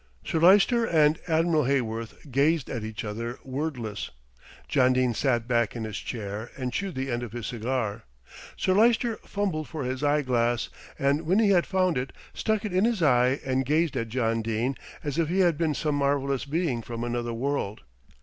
Sir Lyster and Admiral Heyworth gazed at each other wordless. John Dene sat back in his chair and chewed the end of his cigar. Sir Lyster fumbled for his eye glass, and when he had found it, stuck it in his eye and gazed at John Dene as if he had been some marvellous being from another world.